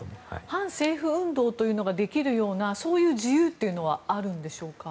反政府運動というのができるような自由というのはあるんでしょうか。